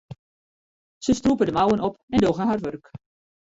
Se strûpe de mouwen op en dogge har wurk.